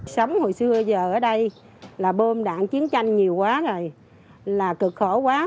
sống hồi xưa giờ ở đây là bom đạn chiến tranh nhiều quá rồi là cực khổ quá